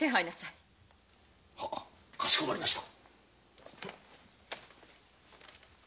かしこまりました。